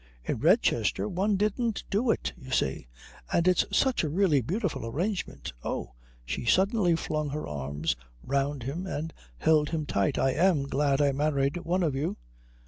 In Redchester one didn't do it, you see. And it's such a really beautiful arrangement. Oh" she suddenly flung her arms round him and held him tight "I am glad I married one of you!"